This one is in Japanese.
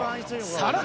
さらに。